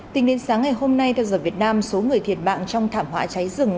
tính đến sáng ngày hôm nay theo giờ việt nam số người thiệt mạng trong thảm họa cháy rừng